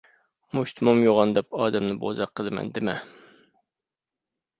مۇشتۇمۇم يوغان دەپ ئادەمنى بوزەك قىلىمەن دېمە!